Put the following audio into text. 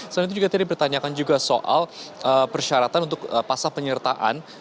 selain itu juga tadi dipertanyakan juga soal persyaratan untuk pasal penyertaan